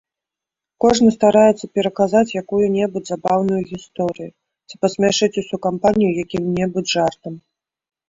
Кожны стараецца пераказаць якую-небудзь забаўную гісторыю ці пасмяшыць усю кампанію якім-небудзь жартам.